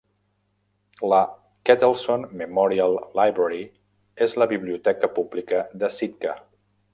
La Kettleson Memorial Library és la biblioteca pública de Sitka.